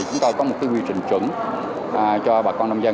chúng tôi có một quy trình chuẩn cho bà con nông dân